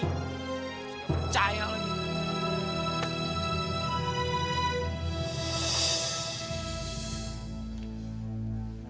gak percaya lagi